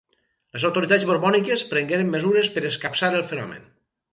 Les autoritats borbòniques prengueren mesures per escapçar el fenomen.